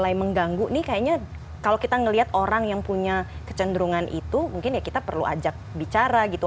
mulai mengganggu nih kayaknya kalau kita melihat orang yang punya kecenderungan itu mungkin ya kita perlu ajak bicara gitu